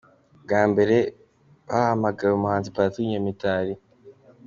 Bwa Mbere hahamagwe umuhanzi Patrick Nyamitali.